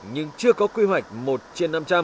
nhưng chưa có quy hoạch một trên năm trăm linh